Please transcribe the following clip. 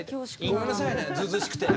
ごめんなさいねずうずうしくてね。